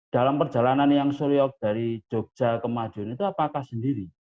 dalam perjalanan yang suryok dari jogja ke madiun itu apakah sendiri